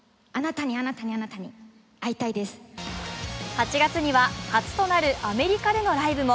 ８月には初となるアメリカでのライブも。